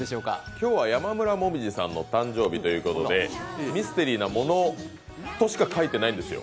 今日は山村紅葉さんの誕生日ということでミステリーなものとしか書いてないんですよ。